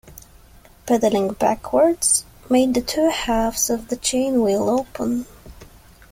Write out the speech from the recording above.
Pedalling backwards made the two halves of the chain wheel open.